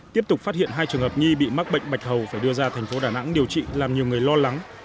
tiếp tục phát hiện hai trường hợp nghi bị mắc bệnh bạch hầu phải đưa ra thành phố đà nẵng điều trị làm nhiều người lo lắng